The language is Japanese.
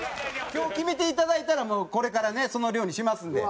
今日決めていただいたらもうこれからねその量にしますんで。